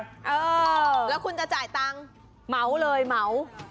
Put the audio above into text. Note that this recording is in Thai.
เออแล้วคุณจะจ่ายตังค์เหมาเลยเหมา